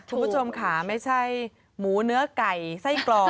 คุณผู้ชมค่ะไม่ใช่หมูเนื้อไก่ไส้กรอก